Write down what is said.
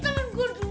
nanti gue taruh